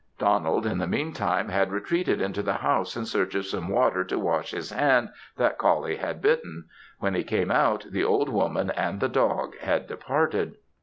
Donald in the mean time had retreated into the house in search of some water to wash his hand that Coullie had bitten. When he came out the old woman and the dog had departed.